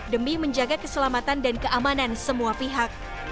demi menjaga keselamatan dan keamanan semua pihak